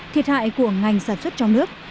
thiệt hại của ngành sản xuất trong nước